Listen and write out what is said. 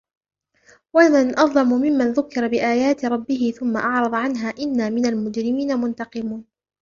وَمَنْ أَظْلَمُ مِمَّنْ ذُكِّرَ بِآيَاتِ رَبِّهِ ثُمَّ أَعْرَضَ عَنْهَا إِنَّا مِنَ الْمُجْرِمِينَ مُنْتَقِمُونَ